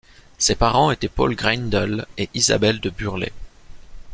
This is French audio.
Ses parents étaient Paul Greindl et Isabelle de Burlet.